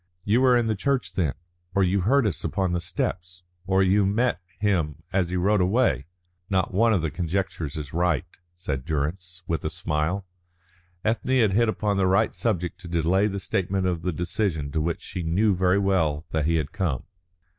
"You were in the church, then? Or you heard us upon the steps? Or you met him as he rode away?" "Not one of the conjectures is right," said Durrance, with a smile. Ethne had hit upon the right subject to delay the statement of the decision to which she knew very well that he had come.